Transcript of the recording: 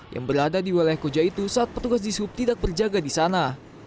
yang berada di wilayah koja itu saat petugas di sub tidak berjaga di sana